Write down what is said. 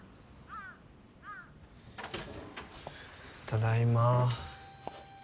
ただいま。